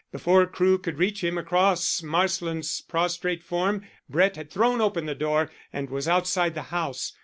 Before Crewe could reach him across Marsland's prostrate form Brett had thrown open the door and was outside the house.